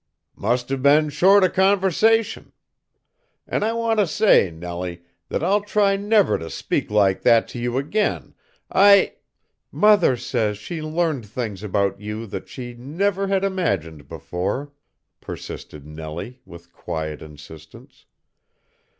"Must've been short of conversation. An' I want to say, Nellie, that I'll try never to speak like that to you again. I " "Mother says she learned things about you that she never had imagined before," persisted Nellie, with quiet insistence.